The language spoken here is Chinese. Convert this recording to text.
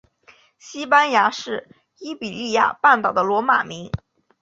西班牙是伊比利亚半岛的罗马名。